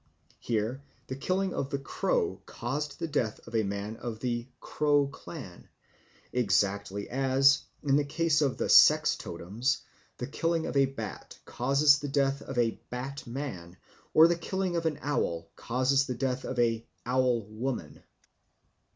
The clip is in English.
Here the killing of the crow caused the death of a man of the Crow clan, exactly as, in the case of the sex totems, the killing of a bat causes the death of a Bat man or the killing of an owl causes the death of an Owl woman.